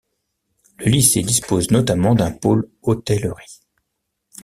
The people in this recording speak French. Le lycée dispose notamment d'un pôle hôtellerie.